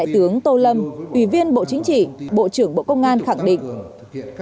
tướng tô lâm ủy viên bộ chính trị bộ trưởng bộ công an khẳng định